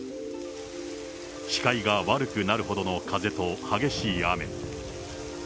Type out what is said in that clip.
視界が悪くなるほどの風と激しい雨。